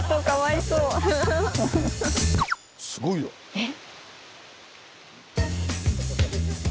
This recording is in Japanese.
えっ⁉